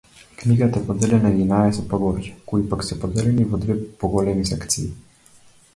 Книгата е поделена на единаесет поглавја, кои пак се поделени во две поголеми секции.